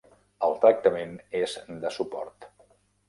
El tractament és de suport.